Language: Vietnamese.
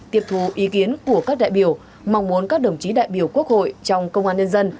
tiếp thù ý kiến của các đại biểu mong muốn các đồng chí đại biểu quốc hội trong công an nhân dân